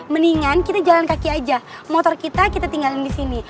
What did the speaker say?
mendingan kita jalan kaki aja motor kita kita tinggalin di sini